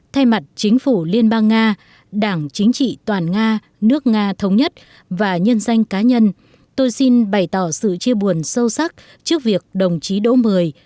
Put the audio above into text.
thay mặt chính phủ liên bang nga đảng chính trị toàn nga nước nga thống nhất và nhân danh cá nhân tôi xin bày tỏ sự chia buồn sâu sắc trước việc đồng chí đỗ mười